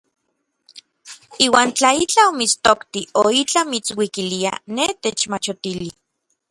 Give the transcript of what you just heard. Iuan tla itlaj omitstoktij o itlaj mitsuikilia, nej techmachiotili.